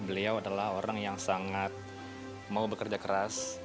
beliau adalah orang yang sangat mau bekerja keras